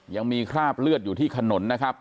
ยังมีคราบเลือดอยู่ที่ถนนนะครับ